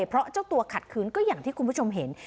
เพราะเจ้าตัวขัดคืนก็อย่างที่คุณผู้ชมเห็น